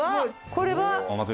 これは？